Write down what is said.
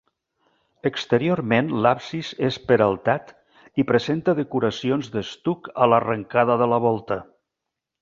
Exteriorment l'absis és peraltat i presenta decoracions d'estuc a l'arrencada de la volta.